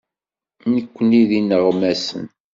Nekkni d ineɣmasen.